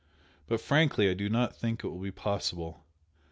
But frankly I do not think it will be possible.